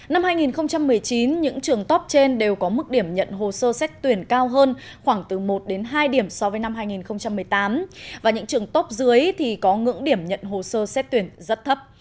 năm hai nghìn một mươi chín những trường top trên đều có mức điểm nhận hồ sơ xét tuyển cao hơn khoảng từ một đến hai điểm so với năm hai nghìn một mươi tám và những trường top dưới thì có ngưỡng điểm nhận hồ sơ xét tuyển rất thấp